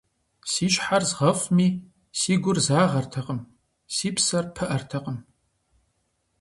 Си щхьэр згъэфӀми, си гур загъэртэкъым, си псэр пыӀэртэкъым.